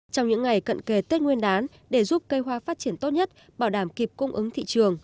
trong những ngày cận kề tết nguyên đán để giúp cây hoa phát triển tốt nhất bảo đảm kịp cung ứng thị trường